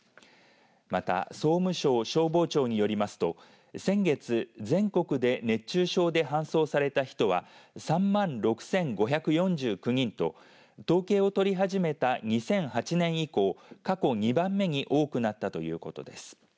また総務省、消防庁によりますと先月、全国で熱中症で搬送された人は３万６５４９人と統計を取り始めた２００８年以降過去２番目に多くなったということです。